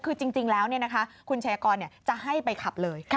คือจริงแล้วคุณชายกรจะให้ไปขับเลย